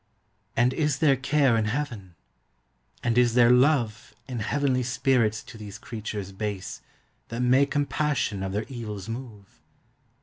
And is there care in heaven? And is there love In heavenly spirits to these creatures base, That may compassion of their evils move?